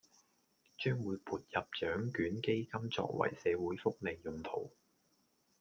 將會撥入獎卷基金作為社會福利用途